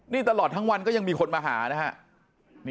นี่ตลอดทั้งวันก็ยังมีคนมาหานะฮะ